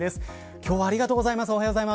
今日はありがとうございます。